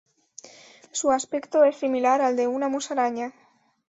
Su aspecto es similar al de una musaraña.